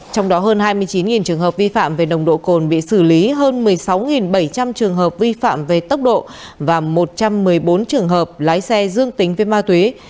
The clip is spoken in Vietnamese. trong đó hơn hai mươi chín trường hợp vi phạm về nồng độ cồn bị xử lý hơn một mươi sáu bảy trăm linh trường hợp vi phạm về tốc độ và một trăm một mươi bốn trường hợp lái xe dương tính với ma túy